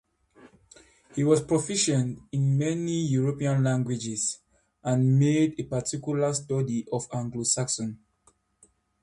He was proficient in many European languages and made a particular study of Anglo-Saxon.